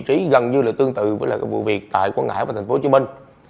trí gần như là tương tự với lại cái vụ việc tại quảng ngãi và thành phố hồ chí minh